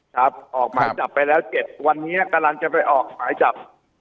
ออกหมายจับไปแล้ว๗วันนี้กำลังจะไปออกหมายจับ